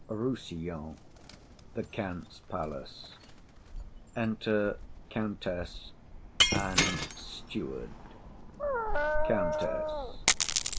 Rossillon. A room in the Countess's palace. Enter Countess and Steward. COUNTESS.